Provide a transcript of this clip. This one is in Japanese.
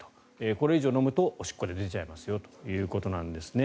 これ以上飲むとおしっこで出ちゃいますよということですね。